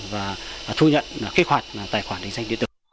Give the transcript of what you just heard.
và thu nhận kích hoạt tài khoản định danh điện tử